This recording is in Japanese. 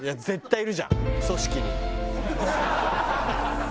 絶対いるじゃん。